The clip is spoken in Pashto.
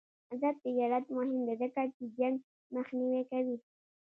آزاد تجارت مهم دی ځکه چې جنګ مخنیوی کوي.